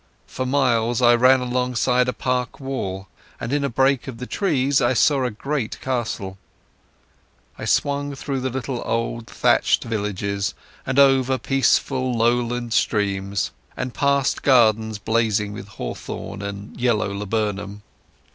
For miles I ran alongside a park wall, and in a break of the trees I saw a great castle. I swung through little old thatched villages, and over peaceful lowland streams, and past gardens blazing with hawthorn and yellow laburnum.